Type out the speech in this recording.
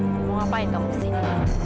mau ngapain kamu kesini